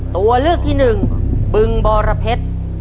ตัวเลือกที่๑ปึงบรพส